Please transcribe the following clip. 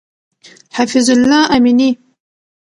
حفیظ الله امینی